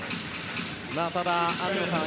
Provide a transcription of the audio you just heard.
ただ、網野さん